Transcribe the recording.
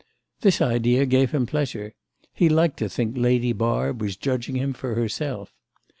This idea gave him pleasure; he liked to think Lady Barb was judging him for herself.